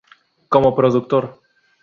Como Productor